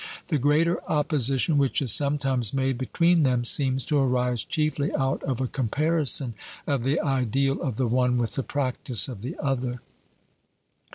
The greater opposition which is sometimes made between them seems to arise chiefly out of a comparison of the ideal of the one with the practice of the other.